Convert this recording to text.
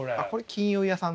金融屋さん？